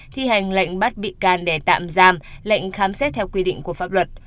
thi hành lệnh bắt bị can để tạm giam lệnh khám xét theo quy định của pháp luật